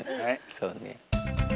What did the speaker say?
そうね。